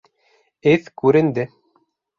Эҙ күренде.